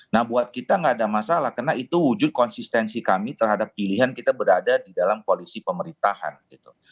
nah buat kita nggak ada masalah karena itu wujud konsistensi kami terhadap pilihan kita berada di dalam koalisi pemerintahan gitu